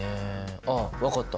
あっ分かった！